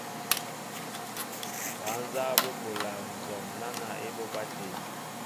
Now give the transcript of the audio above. Bal nzáá bɔ́ bola nzɔm náná ébobá tê.